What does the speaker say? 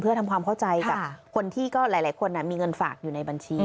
เพื่อทำความเข้าใจกับคนที่ก็หลายคนมีเงินฝากอยู่ในบัญชี